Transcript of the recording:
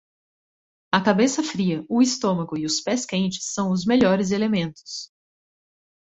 A cabeça fria, o estômago e os pés quentes são os melhores elementos.